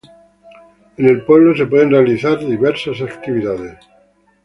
En el pueblo se pueden realizar diversas actividades.